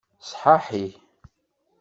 Sḥaḥi.